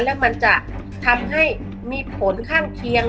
แล้วมันจะทำให้มีผลข้างเคียง